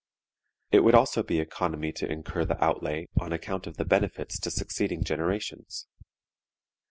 It would also be economy to incur the outlay on account of the benefits to succeeding generations.